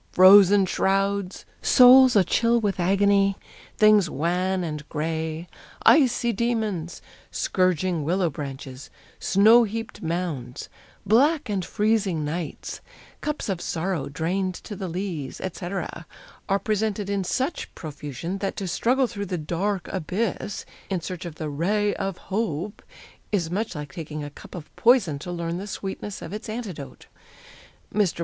Frozen shrouds, souls a chill with agony, things wan and gray, icy demons, scourging willow branches, snow heaped mounds, black and freezing nights, cups of sorrow drained to the lees, etc., are presented in such profusion that to struggle through the 'dark abyss' in search of the 'ray of hope' is much like taking a cup of poison to learn the sweetness of its antidote. Mr.